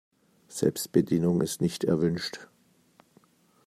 Selbstbedienung ist nicht erwünscht.